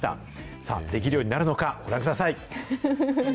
さあ、できるようになるのか、ご覧ください。